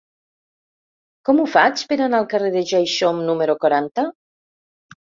Com ho faig per anar al carrer de Ja-hi-som número quaranta?